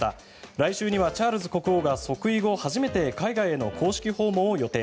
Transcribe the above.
来週にはチャールズ国王が即位後初めて海外への公式訪問を予定。